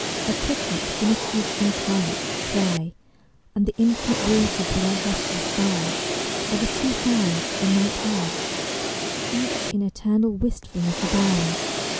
A cricket, finitude's incarnate cry, And the infinite waters with their hushless sigh Are the two sounds The night has: Each in eternal wistfulness abounds.